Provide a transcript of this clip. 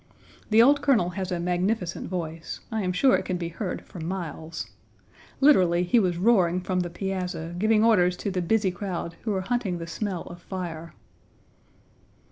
The old Colonel has a magnificent voice. I am sure it can be heard for miles. Literally, be was roaring from the piazza, giving Page 67 orders to the busy crowd who were hunting the smell of fire.